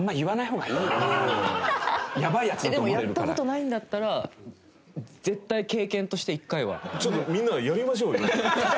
でもやった事ないんだったら絶対経験として一回は。ちょっとみんなやりましょうよ。